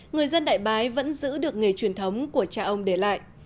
người dân đại bái vẫn giữ được nghề truyền thống của cha ông để lại